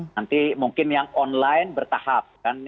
nanti mungkin yang online bertahap